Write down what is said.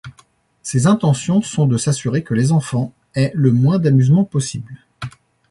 Ses intentions sont de s'assurer que les enfants aient le moins d'amusement possible.